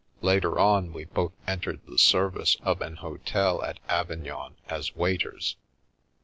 Later on we both entered the service of an hotel at Avignon as waiters.